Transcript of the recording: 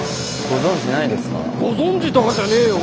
ご存じとかじゃねえよ。